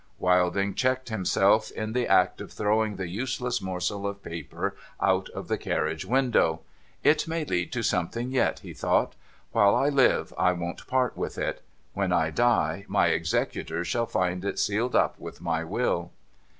Wilding checked himself in the act of throwing the useless morsel of paper out of the carriage window. ' It may lead to something yet,' he thought. ' While I live, I won't part with it. When I die, my executors shall find it sealed up with my will.'